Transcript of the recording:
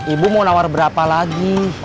ibu mau nawar berapa lagi